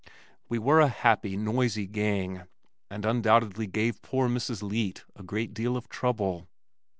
We were a happy, noisy gang, and undoubtedly gave poor Mrs. Leete a great deal of trouble.